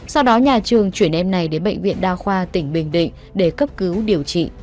sau đó nhà trường chuyển em này đến bệnh viện đa khoa tỉnh bình định để cấp cứu điều trị